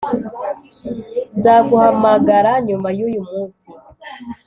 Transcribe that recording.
Nzaguhamagara nyuma yuyu munsi